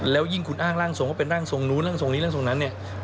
แล้วยิ่งคุณอ้างร่างทรงว่าเป็นร่างทรงนู้นร่างทรงนี้ร่างทรงนั้นเนี่ย